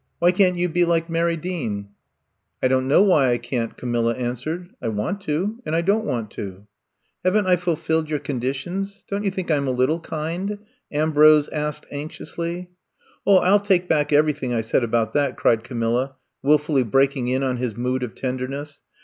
Why can 't you be like Mary Dean ?'' '*I don't know why I can't,'^ Camilla answered. I want to, and I don't want to." Have n't I fufilled your conditions? Don't you think I 'm a little kind?" Am brose asked anxiously. 0h, I '11 take back everything I said about that !'' cried Camilla, wilfully break ing in on his mood of tenderness.